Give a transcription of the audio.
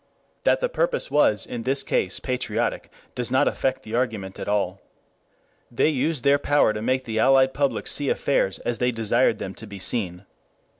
That the purpose was in this case patriotic does not affect the argument at all. They used their power to make the Allied publics see affairs as they desired them to be seen.